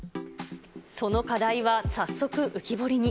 その課題は早速浮き彫りに。